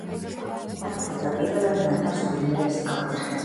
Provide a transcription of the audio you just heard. მათ თავდაპირველად ნამარხ გვიმრებს აკუთვნებდნენ.